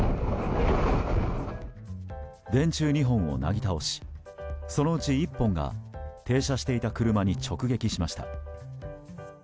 電柱２本をなぎ倒しそのうち１本が停車していた車に直撃しました。